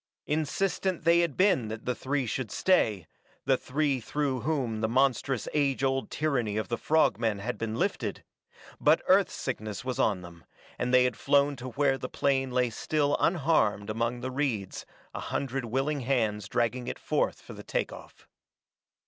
Insistent they had been that the three should stay, the three through whom the monstrous age old tyranny of the frog men had been lifted, but Earth sickness was on them, and they had flown to where the plane lay still unharmed among the reeds, a hundred willing hands dragging it forth for the take off.